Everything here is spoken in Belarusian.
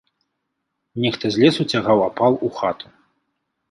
Нехта з лесу цягаў апал у хату.